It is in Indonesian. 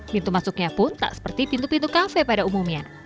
pintu masuknya pun tak seperti pintu pintu kafe pada umumnya